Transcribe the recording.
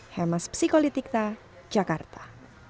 hermas psikolitikta jakarta